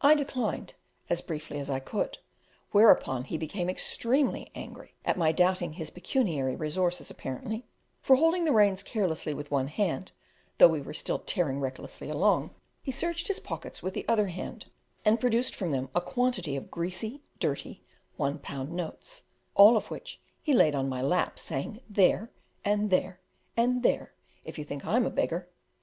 I declined, as briefly as I could, whereupon he became extremely angry, at my doubting his pecuniary resources apparently, for, holding the reins carelessly with one hand, though we were still tearing recklessly along, he searched his pockets with the other hand, and produced from them a quantity of greasy, dirty one pound notes, all of which he laid on my lap, saying, "There, and there, and there, if you think I'm a beggar!"